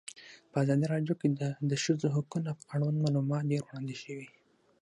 په ازادي راډیو کې د د ښځو حقونه اړوند معلومات ډېر وړاندې شوي.